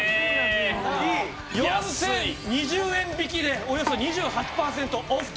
４０２０円引きでおよそ２８パーセントオフと。